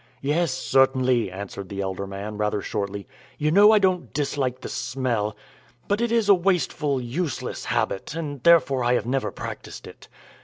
"Yes, certainly," answered the elder man, rather shortly; "you know I don't dislike the smell. But it is a wasteful, useless habit, and therefore I have never practised it.